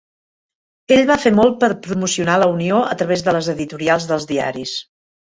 Ell va fer molt per promocionar la unió a través de les editorials dels diaris.